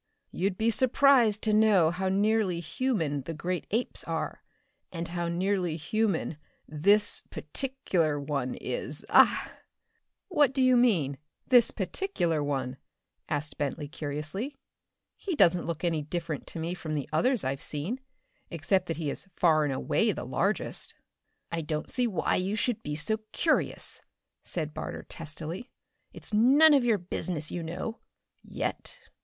You'd be surprised to know how nearly human the great apes are, and how nearly human this particular one is. Ah!" "What do you mean, this particular one?" asked Bentley curiously. "He doesn't look any different to me from the others I've seen except that he is far and away the largest." "I don't see why you should be so curious," said Barter testily. "It's none of your business you know yet."